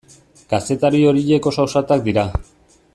Kazetari horiek oso ausartak dira.